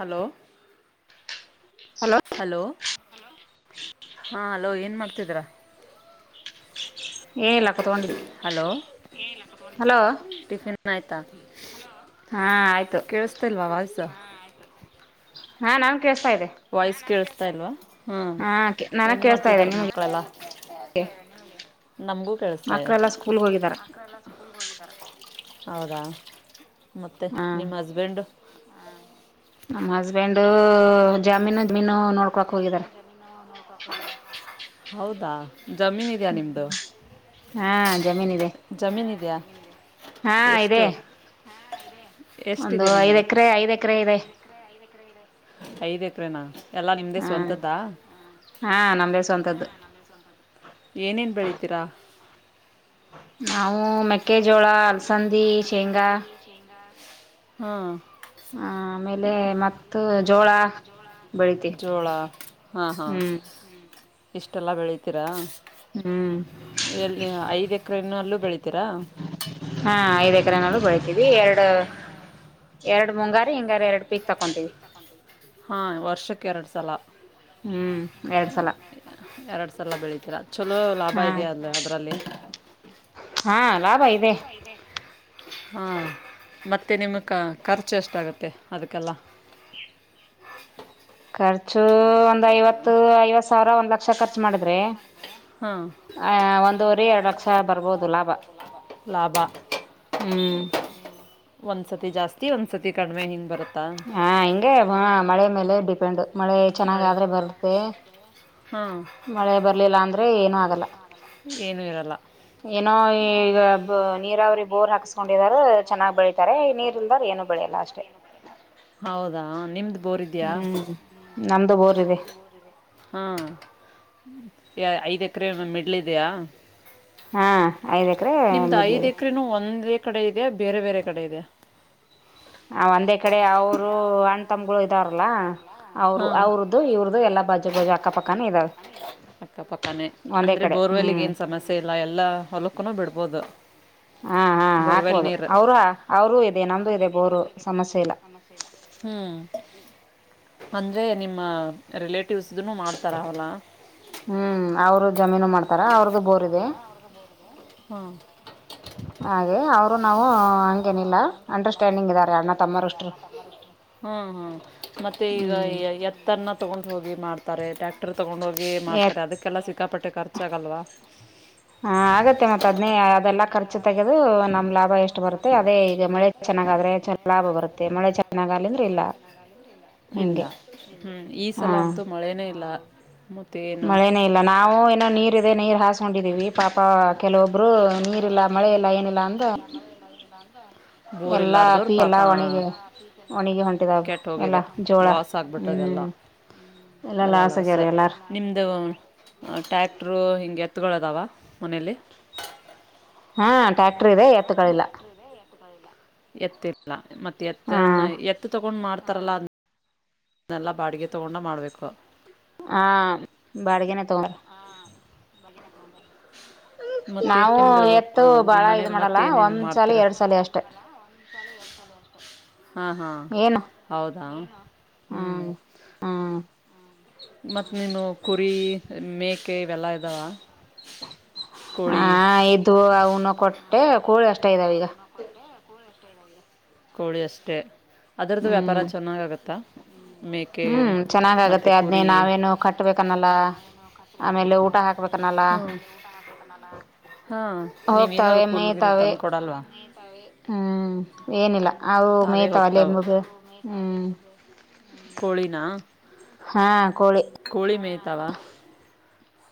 Hello hello. ಹಾ hello ಏನ್ ಮಾಡ್ತಾ ಇದ್ರ. ಏನಿಲ್ಲ ಕೂತ್ಗೊಂಡಿದ್ದೀನಿ. Hello hello ನಾಯ್ತಾ. ಹಾ ಆಯ್ತು. [unintelligible] ಹಾ ನಾ ವಾಯ್ಸ್ ಕೇಳಸ್ತಾ ಇಲ್ವಾ. ಹ್ಮ್ ಹಾ ನನಗ್ ಏನ್ ಕೇಳ್ಸ್ತಾ ಇದೆ ಮಾಡ್ತಿದಾರೆ ನಿಮಗೆ ಮಕ್ಕಳೆಲ್ಲ? ನಮಗೂ ಕೇಳಿಸ್ತಾ ಇದೆ ಮಕ್ಕಳೆಲ್ಲಾ ಸ್ಕೂಲ್ಗೆ ಹೋಗಿದಾರ ಹೌದಾ? ಮತ್ತೆ ಹ ನಿಮ್ಮ ಹಸ್ಬೆಂಡು? ನಮ್ಮ ಹಸ್ಬೆಂಡ್ ಜಾಮೀನು ಜಮೀನು ನೋಡ್ಕೊಳಕ್ ಹೋಗಿದಾರ. ಹೌದಾ ಜಮೀನ್ ಇದ್ಯಾ ನಿಮ್ದ? ಹಾ ಜಮೀನ್ ಇದೆ ಜಮೀನ್ ಇದ್ಯಾ? ಹಾ ಇದೆ. ಒಂದು ಎಷ್ಟಿದೆ ಐದ್ ನಿಮ್ಮದು ಎಕರೆ ಐದ್ ಎಕರೆ ಇದೆ. ಐದ ಎಕರೆನಾ? ಎಲ್ಲ ನಿಮ್ಮದೇ ಹಾ ಸ್ವಂತದ್ದಾ ಹಾ ನಮ್ದೇ ಸ್ವವಂತದ್ದು. ಏನೇನು ಬೆಳಿತೀರಾ ನಾವು ಮೆಕ್ಕೆಜೋಳ, ಅಲಸಂದಿ, ಶೇಂಗಾ ಹಾ ಹ ಆಮೇಲೆ ಮತ್ತು ಜೋಳ. ಬೆಳಿತೀವಿ ಜೋಳ ಹಾ ಹಾ ಹ್ಮ್ ಇಷ್ಟೆಲ್ಲ ಬೆಳತೀರಾ? ಹ್ಮ್ ಎಲ್ಲಿ ಐದು ಎಕ್ರನಲ್ಲೂ ಹಾ ಐದೆ ಎಕರೆ ನಲ್ಲ ಬೆಳಿತೀವಿ ಎರಡು ಎರಡು ಮುಂಗಾರ ಹಿಂಗಾರ ಎರಡು ಪೀಕ್ ತಕೊಂತೀವಿ ಹಾ ವರ್ಷಕ್ಕೆ ಎರಡ್ ಸಲ ಹ್ಮ್ ಎರಡ್ ಸಲ ಎರಡು ಸಲ ಬೆಳತೀರಾ ಚಲೋ ಲಾಭ ಹಾ ಇದೆಯಾ ಅಂದ ಅದರಲ್ಲಿ ಅಬ ಇದೆ ಹಾ ಮತ್ತೆ ನಿಮ್ಗೆ ಖರ್ಚು ಎಷ್ಟಾಗುತ್ತೆ ಅದಕ್ಕೆಲ್ಲ [unintelligible] ಖರ್ಚು ಒಂದ್ ಐವತ್ತು ಐವತ್ ಸಾವಿರ ಒಂದ್ ಲಕ್ಷ ಖರ್ಚು ಮಾಡಿದ್ರಿ ಹಾಂ ಆ ಒಂದುವರಿ ಎರಡು ಲಕ್ಷ ಬರ್ಬೋದು ಲಾಭ ಲಾಭ ಹ್ಮ್ ಒಂದ್ಸತಿ ಜಾಸ್ತಿ ಒಂದ್ಸತಿ ಕಡಿಮೆ ಹಿಂಗ್ ಬರುತ್ತೆ ಹಾ ಹಿಂಗೆ ಹ ಮಳೆ ಮೇಲೆ ಡಿಪೆಂಡ್ ಮಳೆ ಚೆನ್ನಾಗ ಮಳೆ ಆದ್ರೆ ಬರುತ್ತೆ ಹಾಂ ಮಳೆ ಬರ್ಲಿಲ್ಲ ಅಂದ್ರೆ ಏನುೂ ಆಗಲ್ಲ ಏನು ಇರಲ್ಲ ಏನೋ ಈಗ ನೀರಾವರಿ ಬೋರ್ ಹಾಕಸ್ಕೊಂಡಿದಾರ ಚೆನ್ನಾಗ್ ಬೆಳ ತ ನೀರ್ ಇಲ್ದಾರ ಏನು ಬೆಳಿಯಲ್ಲ ಅಷ್ಟೇ ಹೌದಾ ನಿಮ್ದ್ ಬೋರ್ದ್ಯಾ ಕದೆ ಹಾ ಐದ್ ಎಕರೆ ಮಿಡ್ಲಿದೆಯಾ ಹಾ ಐದ್ ಎಕರೆ ನಿಮ್ದ್ ಮಿಡ್ಲ್ ಐದ್ ಇದೆ ಎಕ್ರನು ಒಂದ್ ಎ ಕಡೆ ಇಯ ಬೇರೆ ಬೇರೆ ಕಡೆ ಇದೆ ಆ ಒಂದೇ ಕಡೆ ಅವರು ಅಣ್ ತಮಗಳು ಇದಾವ್ರಲ್ಲ ಅವರು ಹಾಂ ಅವ್ರದ್ದು ಇವ್ರ್ದು ಎಲ್ಲಾ ಬಜು ಬಜು ಅಕ್ಕಪಕ್ಕನ ಇದಾವ ಅಕ್ಕಪಕ್ಕನೇ ಅಂದ್ರರೆ ಬೋರ್ವೆಲ್ಗ ಹ್ಮ್ ಏನು ಸಮಸ್ಯೆ ಇಲ್ಲ ಎಲ್ಲ ಹೊಲಕ್ಕುಬಿಡ್ಬೋದು ಹಾ ಹಾ ಹಾಕ್ಬೋದು ಅವರ ಅವರುೂ ಇದೆ ನಮ್ದು ಇದೆ ಬೋರು ಸಮಸ್ಯೆ ಇಲ್ಲ ಹ್ಮ್ ಅಂದ್ರೆ ನಿಮ್ಮ ರಿಲೇಟಿವ್ಸನು ಮಾಡ್ತಾರ ಅವಲ್ಲ ಹ್ಮ್ ಅವರು ಜಮೀನು ಮಾಡ್ತಾರ ಅವ್ರದ್ದು ಬೋರ್ ಇದೆ ಹ್ಮ ಹಾಗ ಅವರು ನಾವು ಹಂಗ ನಿಲ್ಲ ಅಂಡರ್ಸ್ಟ್ಯಾಂಡಿಂಗ್ ಇದಾರೆ ಅ್ಣ ತಮ್ಮರಷ್ಟರು ಮತ್ತೆ ಈಗ ಹ್ಮ್ ಎತ್ತನ್ನ ತಗೊಂಡ್ ಹೋಗಿ ಮಾಡ್ತಾರೆ ಡಾಕ್ಟರ್ ತಗೊಂಡ ಹೋಗಿ ಮಾಡ್ತಾರೆ ಅದಕ್ಕೆಲ್ಲ ಸಿಕ್ಕಾಪಟ್ಟೆ ಖರ್ಚಾಗಲ್ವಾ ಹಾ ಆಗತ್ತೆ ಮತ್ತತ್ ಅದ್ನೇ ಅದೆಲ್ಲಾ ಖರ್ಚು ತೆಗೆದು ನಮ್ ಲಾಭ ಎಷ್ಟು ಬರುತ್ತೆ ಲಾಭ ಅದೇ ಈಗ ಎಷ್ಟು ಮಳೆ ಬರುತ್ತೋ ಚೆನ್ನಾಗಾದ್ರೆ ಅಮೆ ಲಾಭ ಬರುತ್ತೆ ಚೆನ್ನ ಮಳೆ ಚಲ ಬತ್ತೆ ಚೆನ್ನಾಗಲಿಂದ್ರ ಇಲ್ಲ ಮೆ ಚೆನ್ನ ಹಿಂಗೆ ಇ ಹ್ಮ್ ಈ ಸಲ ಹಾ ಅಂತೂ ಮಳೆನೇ ಇಲ್ಲ ಮ ಮಳೆನೇ ಇಲ್ಲ ನಾವು ಏನೋ ನೀರ್ ಇದೆ ನೀರ್ ಹಾಸ್ಕೊಂಡಿದ್ದೀವಿ ಪಾಪ ಕೆಲವೊಬ್ರು ನೀರ್ಲ್ಲ ಮಳೆ ಲೈನ್ ಇಲ್ಲ ಅಂದ್ರ ಬೋರ್ ಎಲ್ಲಾ ಇಲ್ಲಾರ್ದವ್ರು ಪೀ ಪಾಪ ಎಲ್ಲಾ ಒಣಗ ಒಣಗಿ ಹೊಂಟಿದ ಕೆಟ್ಟು ಹೋಗಿದೆ ಎಲ್ಲಾ ಜೋಳ ಲಾಸ್ ಆಗ್ಬಿಟ್ಟದೆ ಎಲ್ಲ ಹ್ಮ್ ಎಲ್ಲಲ್ಲ ಆಸೆೆಗೆರೆ ಎಲ್ಲಾರು ನಿಮ್ದ ಟ್ಯಾಕ್ಟರು ಹಿಂಗೆ ಎತ್ದಾವ ಮನಲಿ ಹಾ ಾ [unintelligible] ಎ ಮತ್ತ ಎತ್ತ ಹಾ ಎ ತೊಂಡ್ ಮಾಡ ತ್ರಲ್ಲ ಅನ್ನೆಲ್ಲ ಬಾಡಿಗೆ ತಗೊಂಡ ಮಾಡ್ಬೇಕು ಹಾ ಬಾಡಿಗೆನೆ ತುಾರ ಬಗಿನ ತಗ ನಾವವು ಎತ್ತು ನಿಮ್ಮ ಬಾಳ ಇದ ಮನೇಲಿ ಮಾಡಲ್ಲ ಒಂದ್ ಸಲಿ ಎರಡ್ ಸಾಲ ಅಷ್ಟೆ ಒಚಾಲ ಎರ್ಸ ವರ್ತಾರೆ ಹಾ ಹಾ ಏನು ಹೌದಾ ಹ್ಮ್ ಹ್ಮ್ ಮ ನೀನು ಕುರಿ ಮೇಕೆ ಇವೆಲ್ಲ ಇದಾವ ಹ ಕೋಳಿ ದುವ ಅವ ನ ಕಟ್ಟ ಏ ಕೋಳಿ ಅಷ್ಟ ಇದ್ದಾವೀಗ ಕೋಳಿ ಅಷ್ಟೇ ಅದರದ್ದು ವ್ಯಾಪಾರ ಹ್ಮ್ ಚೆನ್ನಾಗ ಆಗತ್ತಾ ಹ್ಮ್ ಚೆನ್ನಾಗಗತ್ತೆ ಆದದ್ನೇ ನಾವೇನು ಕಟ್ಬೇಕನ್ನಲ್ಲ ಕಾಸರಿ ಆಮೇಲೆ ಕನಲ್ಲ ಊಟ ಹಾಕ್ಬೇಕನ್ನಲ್ಲ ಹ ಹಾ ನೀವೇನದ ಹೋಗ್ತಾವೆ ಕೂಲ್ಗಲ್ ಮೇಯ್ತಾವೆ ತಂದ್ ಕೊಡಲ್ವಾ ಹ್ಮ್ ಏನಿಲ್ಲ ಅವು ತಾವೇ ಮೇಯ್ತಾವಲ್ಲೆ ಹೋಗ್ತಾವೆ ಮಗ ಹ್ಮ್ ಕೋಳಿನ ಹಾ ಕೋಳಿ ಕೋಳಿ ಮೇಯ್ತಾವ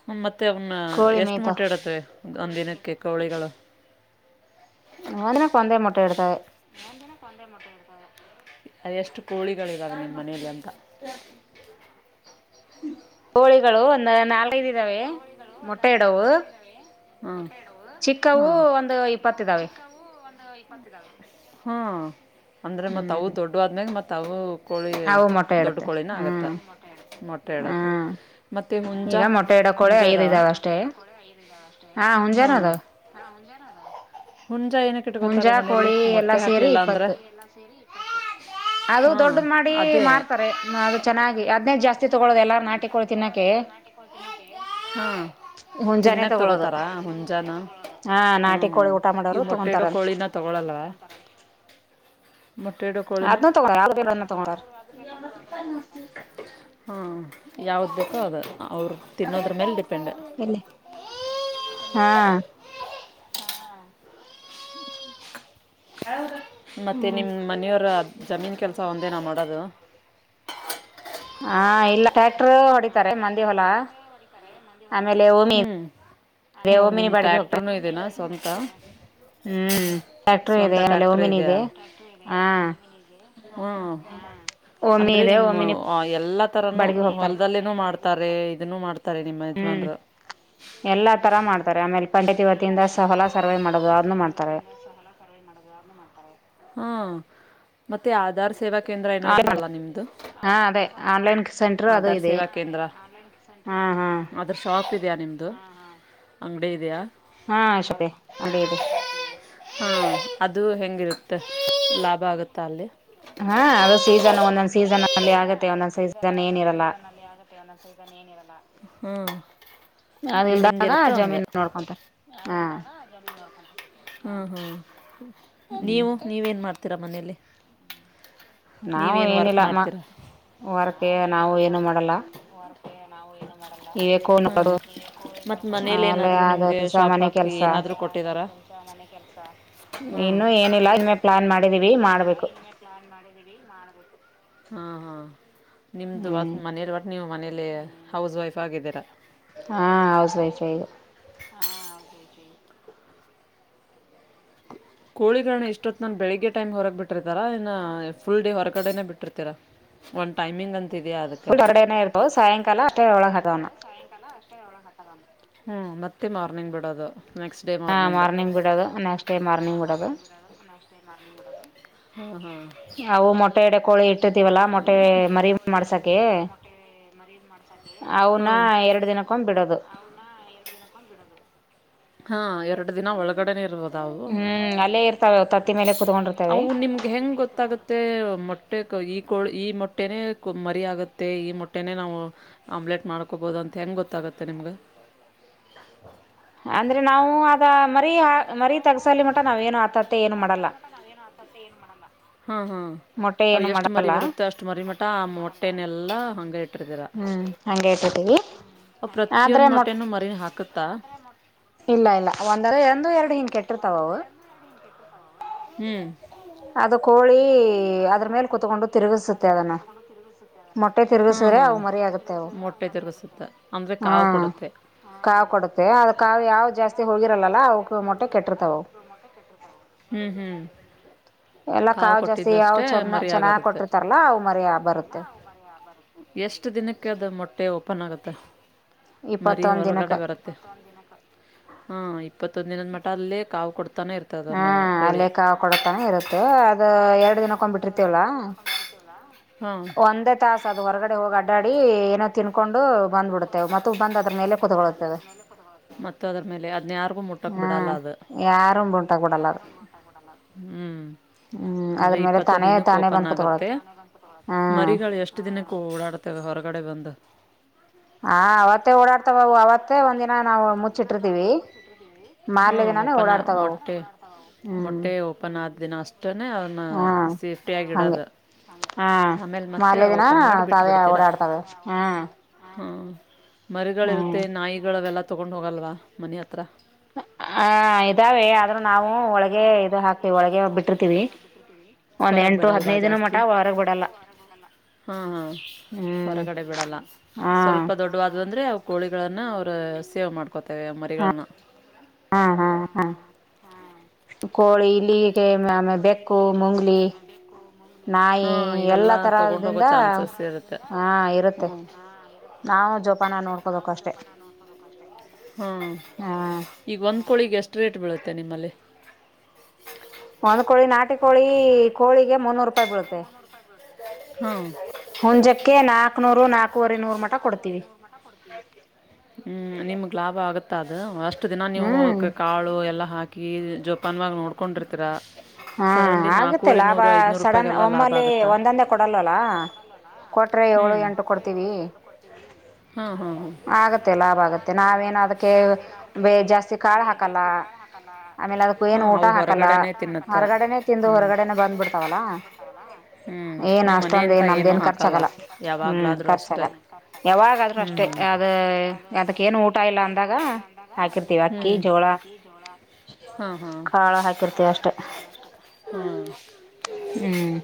ಹ್ಮ ಮತ್ತೆ ಅವ್ನ್ನ ಕೋಳಿ ಎಷ್ಟು ಮೇಯ್ತಾವ ಮೊಟ್ಟೆ ಇಡತ್ತೆ ಒಂದ ದಿನಕ್ಕೆ ಕೋಳಿಗಳು ನ ಅಂದಿನ ಕೊಂದಯ ಮೊಟ್ಟೆ ಎಡ್ತೆ ಅ ಎಷ್ಟು ಕೋಳಿಗಳಿದಾವೆ ನಿಮ್ಮ ಮನೇಲಿ ಅಂತ ಕೋಳಿಗಳು ಒಂದ ನಾಲ್ಕೈದು ಇದಾವೆ ಮೊಟ್ಟೆ ಇಡವು ಹಾಂ ಚಿಕ್ಕವು ಒಂದು ಇಪ್ಪತ್ತ ಇದಾವೆ ಹ್ಮ ಅಂದ್ರೆ ಮತ್ ಅವು ಹ್ಮ್ ದೊಡ್ಡ ಆದ್ಮ್ಯಾಗ ಮತ್ತ್ ಅವು ಕೋಳಿ ಅವು ಮೊಟ್ಟೆ ದೊಡ್ಡ ಇಡುತ್ತೆ ಕೋಳಿನ ಆಗತ್ತೆ ಹ್ಮ್ ಮೊಟ್ಟೆ ಹೇಳದ ಹ್ಮ್ ಮತ್ತೆ ಹುಂಜಾ ಈಗ ಮೊಟ್ಟೆ ಇಡೋ ಕೋಳಿ ಹುಂಜಾ ಐದ್ ಇದಾವ ಅಷ್ಟೇ ಹಾ ಹ್ಮ ಹುಂಜಾನ ಅದಾವ ಹುಂಜಾ ಏನಕ್ ಇಟ್ಕೋತಾರೆ ಹುಂಜಾ ಮನೇಲಿ ಕೋಳಿ ಎಲ್ಲಾ ಮೊಟ್ಟೆ ಸೇರಿ ಹಾಕ್ಲಿಲ್ಲ ಅಂದ್ರೆ ಇಪ್ಪತ್ತು ಅದು ಹಾಂ ದೊಡ್ಡ ಮಾಡಿ ಅದೇ ಮಾರ್ತಾರೆ ಅದು ಚೆನ್ನಾಗಿ ಅದ್ನೇದ ಜಾಸ್ತಿ ತಗೊಳ್ಳುದು ಎಲ್ಲಾರ ನಾಟಿಕಳಿ ತಿನ್ನಾಕ ಹಾ ಹುಂಜಾನೆ ತಿನ್ನಕ್ ತಗೊಳ್ಳೋದು ತಗೋತಾರಾ ಮುಂಜಾನ ಹಾ ಹ್ಮ್ ನಾಟಿ ಹ್ಮ್ ಕೋಳಿ ಊಟ ಇವ ಮಾಡೋರು ಮೊಟ್ಟೆ ಇಡೋ ತಗೊಂತಾರಲ್ ಕೋಳಿನ ತಗೊಳಲ್ಲವಾ ಮೊಟ್ಟೆಡು ಕೋಳಿನ ಅದ್ನು ತಗೋ ಯಾವ್ದನ್ನ ತಗೊಂಡಾರ ಹಾಂ ಯಾವ್ದು ಬೇಕೋ ಅದು ಅವ್ರು ತಿನ್ನೋದ್ರ ಮೇಲೆ ಡಿಪೆಂಡ್ ಇಲ್ಲಿ ಹಾ ಮತ್ತೆ ನಿಮ್ಮ ಮನೆಯವರ ಜಮೀನು ಕೆಲಸ ಒಂದೇನಾ ಮಾಡೋದು ಹಾ ಇಲ್ಲ ಟ್ಯಾಕ್ಟರು ಹೊಡಿತಾರೆ ಮಂದಿ ಹೊಲ ಆಮೇಲೆ ಓಮಿ ಹ್ಞೂ ಓ ವಮಿನಿ ನಿಮ್ಮ ಬಾಡಿಗೆ ಹೋಗ್ತ ಟ್ಯಾಕ್ಟ್ರೂ ಇದೆಯಾ ಸ್ವಂತ ಹ್ಮ್ ಟ್ಯಾಕ್ಟರ್ ಸ್ವಂತ ಇದೆ ಆಮೇಲೆ ಟ್ಯಾಕ್ಟ್ರ್ ಒಮ್ಮೆನ್ ಇದೆಯಾ ಇದೆ ಹಾ ಹ್ಞೂ ಓಮಿ ಇದೆ ಓಮಿನಿ ತರನು ಹೊಲದಲ್ಲೇನನು ಮಾಡ್ತಾರೆ ಇದನ್ನು ಮಾಡ್ತಾರೆ ನಿಮ್ಮ ಹ್ಮ್ ಯಜಮಾನ್ರ ಎಲ್ಲಾ ತರ ಮಾಡ್ತಾರೆ ಆಮೇಲೆ ಪಂಡಿತ್ ಯುವತಿಯಿಂದ ಹೊಲ ಸರ್ವವೆ ಮಾಡೋುದು ಮಾಡ್ ಹ್ಮ ಮತ್ತೆ ಆಧಾರ್ ಸೇವಾ ಕೇಂದ್ರ ಏನೋ ಇತ್ತಲ್ಲ ಹಾ ನಿಮ್ದು ಅದೇ ಆನ್ಲೈನ್ ಸೆಂಟರ್ ಅದು ಆಧಾರ್ ಇದೆ ಸೇವಾ ಕೇಂದ್ರ ಹಾ ಹಾ ಅದ್ರ ಶಾಪ್ ಇದೆಯಾ ನಿಮ್ದು ಅಂಗಡಿ ಇದೆಯಾ ಹಾ ಶಪೆ ಅಡಿಯದೆ ಹಾ ಅದು ಹೆಂಗಿರುತ್ತೆ ಲಾಭ ಆಗುತ್ತಾ ಅಲ್ಲಿ ಹಾ ಅದು ಸೀಸನ್ ಒಂದೊಂದ್ ಸೀಸನ್ ಅಲ್ಲಿ ಆಗತ್ತೆ ಒಂದೊಂದ್ ಸೀಸನ್ ಒಂದೊಂದ್ ಏನಿರಲ್ಲ ಸೀಸನ್ ಅಲ್ಲಿ ಆಗುತ್ತೆ ಒಂದೊಂದ್ ಸೀಸನ್ ಏನಿರಲ್ಲ ಹ್ಮ್ ಅದ ಇಲ್ದಾಗ ಹೆಂಗಿರುತ್ತೋ ಹಂಗ ಜಮೀನ್ ನೋಡ್ಕೊಂತಾರೆ ಹಾ ಹ್ಮ ಹ್ಮ್ ಹ್ಮ್ ನೀವು ನೀವೇನ್ ಮಾಡ್ತೀರಾ ಮನೇೆಯಲ್ಲಿ ನಾವು ಏನಿಲ್ಲಮ್ಮ ವಾರಕ್ಕೆ ನಾವು ಏನು ಮಾಡಲ್ಲ ನಾವು ಇವೆಕ್ಕೋವನ್ನು ಪದ ಮತ್ತ್ ಮನೇಲಿ ಏನಾದ್ರು ನಿಮ್ಗೆ ಶಾಪ್ ಹಾಕಿ ಏನಾದ್ರು ಕೊಟ್ಟಿದಾರ ಇನ್ನು ಏನಿಲ್ಲ ನಿಮ್ಮೆ ಪ್ಲಾನ್ ಮಾಡಿದೀವಿ ಮಾಡ್ಬೇಕು ಹಾ ಹಾ ನಿಮ್ದು ಹ್ಮ್ ಮನರ್ ಬಟ್ಟ ನೀವು ಮನ [unintelligible] ಅಲ್ಲಿ ಹೌಸ್ ವೈಫ್ ಆಗಿದ್ದೀರಾ ಹಾ ಹೌಸ್ ವೈಫ್ ಐದು [unintelligible] ಕೋಳಿಗಳನ್ನ ಇಷ್ಟೊತ್ ನನ್ ಬೆಳಗ್ಗೆ ಟೈಮ್ ಹೊರಗ್ ಬಿಟ್ಟಿರ್ತಾರ ಇನ್ನು ಫುಲ್ ಡೇ ಹೊರಗಡೆನೆ ಬಿಟ್ಟಿರ್ತೀರಾ ಒಂದು ಟೈಮಿಂಗ್ ಅಂತ ಫುಲ್ ಹೊರ್ಡನ ಇರ್ತ ಸಾಯಂಕಾಲ ಅತ್ತ ಅವಳ ಹಗಣ [unintelligible] ಹ್ಮ್ ಮತ್ತೆ ಮಾರ್ನಿಂಗ್ ಬಿಡೋದು ಹಾ ಮಾರ್ನಿಂಗ್ ಬಿಡೋದು ನೆಕ್ಸ್ಟ್ ಟೈ ಹಾ ಮಾರ್ನಿಂಗ್ ಬಿಡೋದು ನೆಕ್ಸ್ಟ್ ಟೈಮ್ ಮಾರ್ನಿಂಗ್ ಬಿಡೋದು ಅವು ಮೊಟ್ಟೆ ಇಡ ಕೋಳಿ ಇಟ್ಟಿರ್ತೀವಲ್ಲ ನಾವು ಮೊಟ್ಟೆ ಮರಿ ಕೋಳ ಮಾಡ್ಸಕೆ ಇಟ್ಟಿದ್ದೀವಲ್ಲ ಮೊಟ್ಟೆ ಮರಿನ್ ಮಾಡ್ತಾಗೆ ಕ ಬಿಡದು ಹಾ ಎರಡು ದಿನ ಒಳಗಡೆನೆ ಇರ್ಬೋದು ಹ್ಮ್ ಅಲ್ಲೇ ಇರ್ತಾವೆ ತತ್ತಿ ಮೇಲೆ ಕುೂತ್ಕೊಂಡಿರ್ತವೆ ಅವು ನಿಮ್ಗೆ ಹೆಂಗ್ ಗೊತ್ತಾಗುತ್ತೆ ಮೊಟ್ಟ [unintelligible] ಕೊ ಈ ಮೊಟ್ಟೆನೇ ಮರಿ ಆಗುತ್ತೆ ಈ ಮೊಟ್ಟೆನೇ ನಾವು ಆಮ್ಲೆಟ್ ಮಾಡ್ಕೋಬಹುದು ಅಂತ ಹೆಂಗಗೆ ಗೊತ್ತಾಗುತ್ತೆ [unintelligible] ನಿಮಗೆ ಅಂದ್ರೆ ನಾವು ಅದ ಮರಿೀ ಆ ಮರಿೀ ತಗಸಲಿ ಮಟ ನಾವ್ ಏನು ಆತತ್ತ ಏನು ಮಾಡಲ್ಲ ಹ್ಮ್ ಹ್ಮ್ ಮೊಟ್ಟೆ ಅವು ಏನು ಎಷ್ಟು ಮರಿ ಮಾಡಲ್ಲ ಬರುತ್ತೆ ಅಷ್ಟು ಮರಿ ಮಟ ಆ ಮೊಟ್ಟೆನೆಲ್ಲ ಹಗೆ ಇಟ್ಟಿರ್ತೀರ ಹ್ಮ್ [unintelligible] ಆ ಪ್ರತಿಯೊಂದ ಆದ್ರೆ ಮೊಟ್ ಮೊಟ್ಟೆನು ಮರಿನ್ ಹಾಕುತ್ತಾ ಇಲ್ಲ ಇಲ್ಲ ಒಂದ ಎಂದು ಎರಡು ಹಿಂಗ ಕೆಟ್ಟಿರ್ತಾವ ಅವು ಹ್ಮ್ ಅದ ಕೋಳಿ ಅದ್ರ ಮೇಲ್ ಕುೂತ್ಕೊಂಡು ತಿರುಗಸುತ್ತೆ ಅದನ್ನ ಮೊಟ್ಟೆ ಹಾಂ ತಿರುಗಸಿದ್ರೆ ಹಾಂ ಮರಿ ಆಗುತ್ತೆ ಮೊಟ್ಟೆ ತಿರುಗಿಸುತ್ತೆ ಅಂದರೆ ಹ್ಮ ಕಾವು ಕೊಡುತ್ತೆ ಕ ಕೊಡುತ್ತೆ ಅ ಕ ಯಾವ ಜಾಸ್ತಿ ಹೋಗಿರಲ್ಲಲ್ಲ ಅವಕ ಮೊಟ್ಟೆ ಕೆಟ್ಟಿರ್ತಾವ ಹ್ಮ್ ಎಲ್ಲ ಕಾವ್ ಜಾಸ್ತಿ ಯಾವ ಚನ್ನ ಚೆನ್ನಾಗ್ ಆಗರುತ್ತೆ ಕೊಟ್ಟಿರ್ತಾರಲ್ಲಾ ಅ ಮರಿ ಬರುತ್ತೆ ಎಷ್ಟ್ ದಿನಕ್ಕೆ ಅದು ಮೊಟ್ಟೆ ಒಪ್ಪ ಅಪ್ಪನ್ ಆಗುತ್ತೆ ಮರಿ ಇಪ್ಪತ್ತೊಂದ್ ದಿನಕ್ಕ ಹೊರಗಡೆ ಬರುತ್ತೆ ಹ ಇಪ್ಪತ್ತು ಸೊಂದಿನೊಂದು ಮಟ್ಟಲ್ಲ ಕಾವು ಕೊಡ್ತಾನೆ ಇರ್ತದಮ್ಮ ಅ ಲೇಕ್ಕ ಕೊಡತಾನೆ ಇರುತ್ತೆ ಅದ ಎರಡು ದಿನಕೊಂಡ್ಬಿಟ್ಟಿರ್ತವಲ್ಲ ಹಾಂ ಒಂದೇ ತಾಸ ಅದು ಹೊರಗಡೆ ಹೋಗಿ ಅಡ್ಡಾಡಿ ಏನೋ ತಿನ್ಕೊಂಡು ಬಂದ್ಬಿಡ್ತ್ತೇವೆ ಮತ್ತ ಬಂದ ಅದ್ರ ಮೇಲೆ ಕುತ್ ಮತ್ತು ಅದ್ರ ಮೇಲೆ ಅದನ್ನ ಯಾರಿಗೂ ಮುಟ್ಟಕ್ಕೆ ಹ್ಮ ಬಿಡಲ್ಲ ಅದು ಯಾರು ಉಂಟಬಿಡಲ್ಲ ಹ ಹ್ಮ್ ಅಂದ್ರೆ ಮೇಲೆ ಇಪ್ಪತ್ತೊಂದ ತಾನೇ ದಿನಕ್ಕೆ ತಾನೇ ಓಪನ್ ಬಂದ್ ಕುತ್ಕೊಳತ್ ಆಗುತ್ತೆ ಹ್ಮ್ ಮರಿಗಗಳು ಎಷ್ಟು ದಿನಕ್ಕೆ ಓಡಾಡ್ತೇವೆ ಹೊರಗಡೆ ಬಂದು ಹಾ ಅವತ್ತೇ ಓಡಾಡ್ತಾವ ಅವತ್ತೇ ಒಂದಿನ ನಾವವು ಮುಚ್ಚಿಟ್ಟಿರ್ತಿೀವಿ ಹ್ಞೂ ಮಾರ್ಲಿದಿನಾನೇ ಓಪನ್ ಓಡಾಡ್ತಾವವು ಮೊಟ್ಟೆ ಹ್ಮ್ ಮೊಟ್ಟೆ ಓಪನ್ ಆದ ದಿನ ಅಷ್ಟನೇ ಅವನ್ನ ಸೇಫ್ಟಿಿಯಾಗಿ ಇಡೋದು ಹ್ಮ್ ಆಮೇಲೆ ಮತ್ತೆ ಮರಲ ದಿನ ಓಪನ್ ಮಾಡಿ ತಾವ ಓಡಾಡ್ತಾವ ಹ್ಮ್ ಹಾಂ ಹ್ಮ್ ಮರಿಗಳಿರುತ್ತೆ ನಾಯಿಗಳವೆೆಲ್ಲ ತೊಗೊಂಡು ಹೋಗಲ್ವಾ ಮನೆ ಹತ್ರ ಹ ಇದಾವೆ ಆದ್ರೂ ನಾವು ಒಳಗೆ ಇದು ಹಾಕ್ತಿೀವಿ ಒಳಗೆ ಬಿಟ್ಟಿರ್ತೀವಿ ಒಂದ್ ಹೊರಗೆ ಎಂಟು ಹದ್ನೈದು ದಿನ ಮಠ ಒಳರಗ್ ಬಿಡಲ್ಲ ಹ್ಮ್ ಹ್ಮ ಹ್ಮ್ ಹೊರಗಡೆ ಬಿಡಲ್ಲ ಹಾ ಸ್ವಲ್ಪ ದೊಡ್ಡವಾದ್ ಅಂದ್ರೆ ಅವ ಕೋಳಿಗಳನ್ನ ಅವ ಸೇವೆ ಮಾಡ್ಕೊತೇವೆ ಮರಿಗಳನ್ನ ಹಾ ಹಾ ಹಾ ಕೋಳಿ ಇಲ್ಲಿಗೆ ಆಮೇ ಬೆಕ್ಕು ಮುಂಗ್ಲಿ ನಾಯಿ ಹಾಂ ಇವೆಲ್ಲ ಎಲ್ಲಾ ತರದಿಂದ ತೊಗೊಂಡೋಗೋ ಚಾನ್ಸಸ್ ಇರುತ್ತೆ ಹಾ ಇರುತ್ತೆ ಹ್ಞೂ ಹಾಂ ನಾವು ಜೋಪಾನ ನೋಡ್ಕೋಬೇಕು ಅಷ್ಟೆ ಹಾಂ ಹಾ ಈಗ ಒಂದ್ ಕೋಳಿಗ್ ಎಷ್ಟು ರೇಟ್ ಬೀಳುತ್ತೆ ನಿಮ್ಮಲ್ಲಿ ಒಂದ್ ಕೋಳಿ ನಾಟಿ ಕೋಳಿ ಕೋಳಿಗೆ ಮುನ್ನೂರು ರೂಪಾಯಿ ಬೀಳುತ್ತೆ ಹ್ಮ ಹುಂಜಕ್ಕೆ ಒಂದ್ ನಾಕ್ನೂರು ಜತ್ತ್ಕೆ ನಾಕೂವರೆ ನೂರ್ ನಾಕ್ನೂರ್ ಮಟ ನಾಕುವರೆ ಕೊಡ್ತೀವಿ. ನೂರು ಗಂಟ ಕೊಡ್ತೀವಿ ಹ್ಮ್ ನಿಮಗ್ ಲಾಭ ಆಗತ್ತ ಅದು ಅಷ್ಟು ದಿನ ನೀವು ಹ್ಮ್ ಕಾಳು ಎಲ್ಲಾ ಹಾಕಿ ಜೊಪ್ ಪನ್ವಾಗಿ ನೋಡ್ಕೊಂಡಿರ್ತೀರಾ ಹಾ ಸಡನ್ಲಿ ಆಗುತ್ತೆ ನಾಕುವರಿನೂರು ಐದುನೂರು ರೂಪಾಯಿಗೆಲ್ಲ ಲಾಭ ಆಗುತ್ತಾ ಕೊಡಲ್ಲಲ್ಲ ಕೊಟ್ರೆ ಹ್ಞೂ ಏಳು ಎಂಟು ಕೊಡ್ತೀವಿ ಹಾಂ ಹಾಂ ಹಾಂ ಆಗತ್ತೆ ಲಾಭ ಆಗತ್ತೆ ನಾವೇನು ಅದಕ್ಕೆ ಬೆ ಜಾಸ್ತಿ ಕಾಳು ಹಾಕಲ್ಲ ಕಾಳ್ ಹಾಕಲ್ಲ ಆಮೇಲೆ ಅದಕ್ಕೂ ಹಾ ಏನು ಹೌ ಊಟ ಹಾಕಲ್ಲ ಹೊರ್ಗಡೆನೆೇ ತಿನ್ನುತ್ತ ಹೊರಗಡೆನೆ ತಿಂದು ಹ್ಮ್ ಹೊರಗಡೆನೆ ಬಂದ್ಬಿಡ್ತಾವಲ್ಲ ಹ್ಮ್ ಏನು ನೀವು ಅಷ್ಟೊಂದು ಮನೆಂತ ಏನು ಏನೂ ನಮ್ದೇನು ಹಾಕಲ್ಲ ಖರ್ಚಾಗಲ್ಲ ಹ್ಮ್ ಯಾವಾಗ್ಲಾದ್ರೂ ಅಷ್ಟೆ ಖರ್ಚಾಗಲ್ಲ ಯಾವಾಗಾದ್ರೂ ಹ್ಮ್ ಅಷ್ಟೇ ಯಾವಾಗಾದ್ರೂ ಅದ ನಷ್ಟೇ ಅದು ಅದಕ್ಕ ಏನು ಊಟ ಇಲ್ಲ ಅದಕ್ಕ ಏನ್ ಅಂದಾಗ ಊಟ ಇಲ್ಲ ಅಂದಾಗ ಅಕ್ಕಿ ಜೋಳ ಕಾಳ ಹಾಕಿರ್ತವಿ ಅಷ್ಟೆ ಹ್ಮ [inaudible] ಹ್ಮ್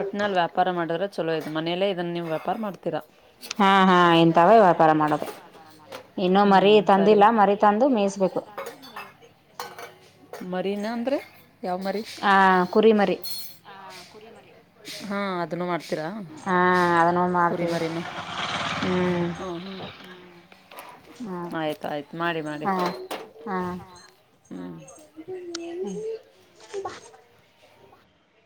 ಒಟ್ನಲ್ಲಿ ವ್ಯಾಪಾರ ಮಾಡಿದ್ರೆ ಚಲೋ ಇದೆ ಮನೆಯಲ್ಲೇ ಇದನ್ ನೀವು ವ್ಯಾಪಾರ್ ಮಾಡ್ತೀರಾ ಹಾ ಹಾ ಇಂತಾವ ವ್ಯಾಪಾರ ಮಾಡೋದು ಇನ್ನೂ ಮರಿ ಹ್ಮ್ ಸರಿ ತಂದಿಲ್ಲ ಮರಿ ತಂದು ಮೇಯಿಸ್ಬೇಕು [unintelligible] ಮರಿನಾ ಅಂದ್ರೆ ಯಾವ್ ಮರಿ ಆ ಕುರಿ ಮರಿ ಹಾ ಅದನ್ನು ಮಾಡ್ತ್ ಹಾ ಅದನ್ನು ಮಾಡ್ತೀವಿ ಮರಿನು ಹ್ಮ್ ಹ್ಞೂ ಹಾ ಹ್ಞೂ ಆಯ್ತು ಆಯ್ತು ಮಾಡಿ ಮಾಡಿ ಹಾ ಹಾ ಹ್ಞೂ [inaudible]